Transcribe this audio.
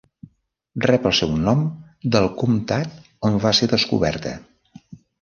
Rep el seu nom del comtat on va ser descoberta.